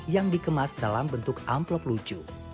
yang dikemas dalam bentuk amplop lucu